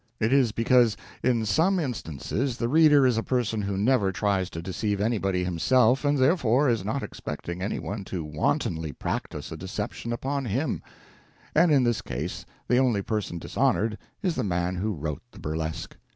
It is because, in some instances, the reader is a person who never tries to deceive anybody himself, and therefore is not expecting any one to wantonly practise a deception upon him; and in this case the only person dishonoured is the man who wrote the burlesque.